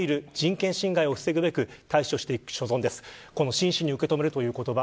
真摯に受け止めるという言葉